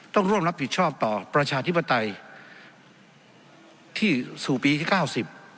ต้องร่วมรับผิดชอบต่อประชาธิปไตยที่สู่ปีที่เก้าสิบ